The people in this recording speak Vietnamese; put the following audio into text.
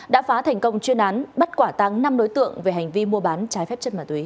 đã phá thành công chuyên án bắt quả tăng năm đối tượng về hành vi mua bán trái phép